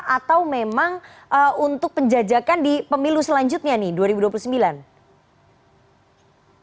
atau memang untuk penjajakan di pemilu selanjutnya nih dua ribu dua puluh sembilan